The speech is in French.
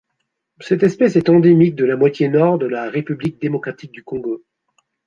Cette espèce est endémique de la moitié Nord de la République démocratique du Congo.